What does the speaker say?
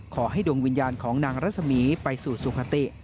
ขอให้ดวงวิญญาณของนางรัศมีร์ไปสู่สุขติ